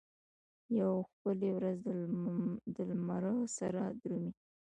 یوه ښکلې ورځ دلمره سره درومي